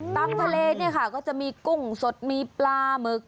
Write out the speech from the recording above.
ทะเลเนี่ยค่ะก็จะมีกุ้งสดมีปลาหมึก